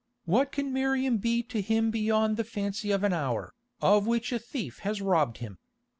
What can Miriam be to him beyond the fancy of an hour, of which a thief has robbed him?